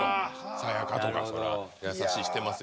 さや香とかそれは優しいしてますよ